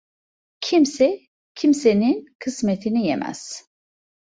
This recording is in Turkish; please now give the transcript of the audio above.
Kimse kimsenin kısmetini yemez.